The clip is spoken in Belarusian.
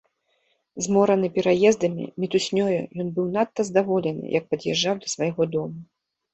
Змораны пераездамі, мітуснёю, ён быў надта здаволены, як пад'язджаў да свайго дому.